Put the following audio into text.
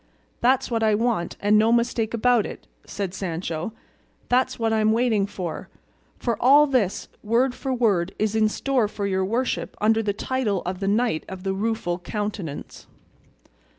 "That's what I want, and no mistake about it!" said Sancho. "That's what I'm waiting for; for all this, word for word, is in store for your worship under the title of the Knight of the Rueful Countenance."